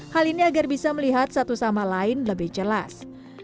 hal ini agar bisa melihat satu sama lain lebih jelas